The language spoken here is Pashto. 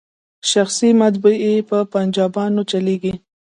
شخصي مطبعې په پنجابیانو چلیږي.